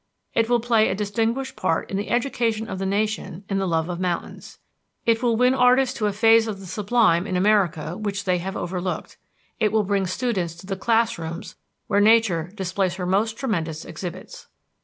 It will play a distinguished part in the education of the nation in the love of mountains. It will win artists to a phase of the sublime in America which they have overlooked. It will bring students to the classrooms where Nature displays her most tremendous exhibits.